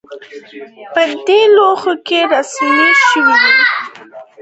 په دې لوښو کې رسامي شوې وه